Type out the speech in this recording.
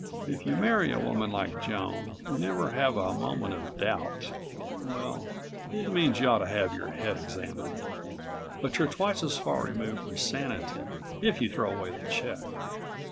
If you marry a woman like Joan and ever have a moment of doubt ... well, it means you ought to have your head examined. But you're twice as far removed from sanity if you throw away the check.